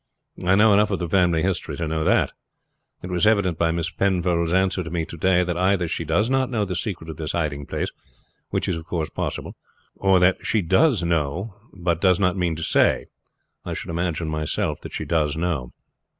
I know enough of the family history to know that. It was evident by Miss Penfold's answer to me to day that either she does not know the secret of this hiding place which is of course possible or that if she does know she does not mean to say. I should imagine myself that she does know.